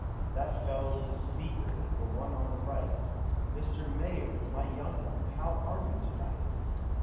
That fellow 's the " Shaker,' —the one on the right ;" Mr. Mayor," my young one, how are you to night?